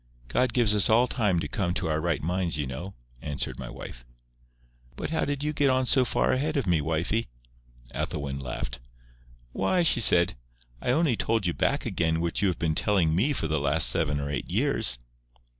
God gives us all time to come to our right minds, you know," answered my wife. "But how did you get on so far a head of me, wifie?" Ethelwyn laughed. "Why," she said, "I only told you back again what you have been telling me for the last seven or eight years."